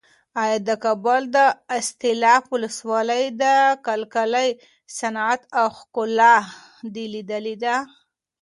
ایا د کابل د استالف ولسوالۍ د کلالۍ صنعت او ښکلا دې لیدلې؟